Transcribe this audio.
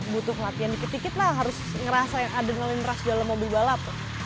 butuh latihan dikit dikit lah harus ngerasain adrenalin ras dalam mobil balap